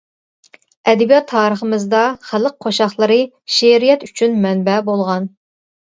ئەدەبىيات تارىخىمىزدا، خەلق قوشاقلىرى شېئىرىيەت ئۈچۈن مەنبە بولغان.